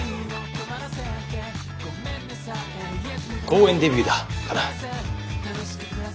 公園デビューだカナ。